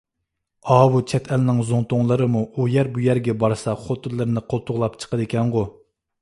ئاۋۇ چەت ئەلنىڭ زۇڭتۇلىرىمۇ ئۇ يەر – بۇ يەرگە بارسا خوتۇنلىرىنى قولتۇقلاپ چىقىدىكەنغۇ!